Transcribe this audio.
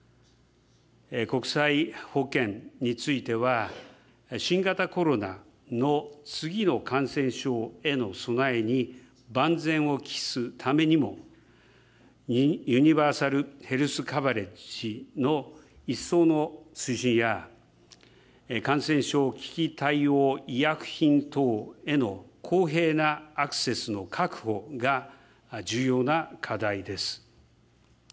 国際保健については、新型コロナの次の感染症への備えに万全を期すためにも、ユニバーサル・ヘルス・カバレッジの一層の推進や、感染症危機対応医薬品等への公平なアクセスの確保が重要な課題です。